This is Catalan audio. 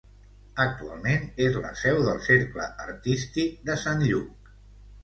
Actualment és la seu del Cercle Artístic de Sant Lluc.